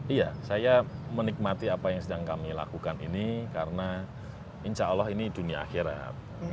iya saya menikmati apa yang sedang kami lakukan ini karena insya allah ini dunia akhirat